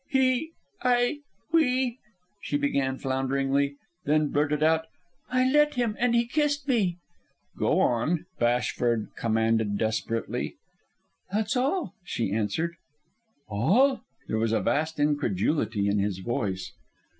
"He... I... we..." she began flounderingly. Then blurted out, "I let him, and he kissed me." "Go on," Bashford commanded desperately. "That's all," she answered. "All?" There was a vast incredulity in his voice.